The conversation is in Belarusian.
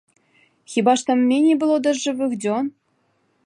Хіба ж там меней было дажджавых дзён?